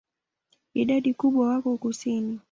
Idadi kubwa wako kusini.